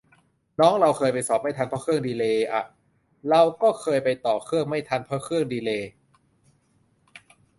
น้องเราเคยไปสอบไม่ทันเพราะเครื่องดีเลย์อะ เราก็เคยไปต่อเครื่องไม่ทันเพราะเครื่องดีเลย์